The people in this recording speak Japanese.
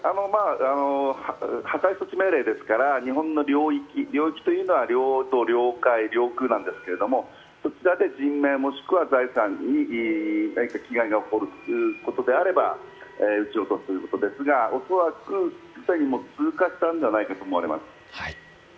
破壊措置命令ですから日本の領域、領域というのは領土、領海、領空なんですけれども、こちらで人命もしくは財産に被害が起こるということであれば撃ち落とすということですが、恐らく既に通過したのではないかと思われます。